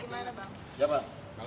kalau tidak mau turun